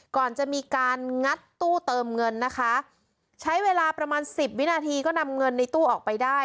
ก่อนจะมีการงัดตู้เติมเงินนะคะใช้เวลาประมาณสิบวินาทีก็นำเงินในตู้ออกไปได้